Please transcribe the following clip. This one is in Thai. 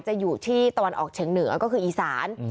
อยู่ที่ตะวันออกเฉียงเหนือก็คืออีสาน